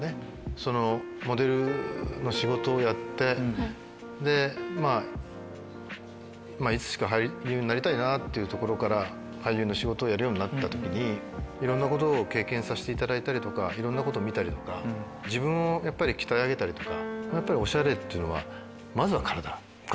そのモデルの仕事をやってでまぁいつしか俳優になりたいなっていうところから俳優の仕事をやるようになった時にいろんなことを経験させていただいたりとかいろんなこと見たりとか自分をやっぱり鍛え上げたりとか。